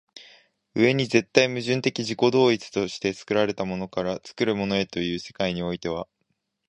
上に絶対矛盾的自己同一として作られたものから作るものへという世界においては